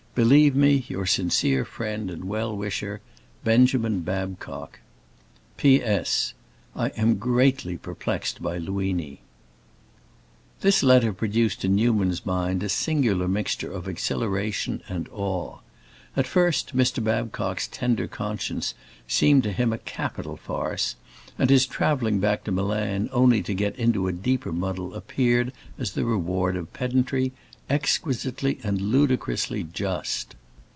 Believe me your sincere friend and well wisher, BENJAMIN BABCOCK P. S. I am greatly perplexed by Luini. This letter produced in Newman's mind a singular mixture of exhilaration and awe. At first, Mr. Babcock's tender conscience seemed to him a capital farce, and his traveling back to Milan only to get into a deeper muddle appeared, as the reward of his pedantry, exquisitely and ludicrously just.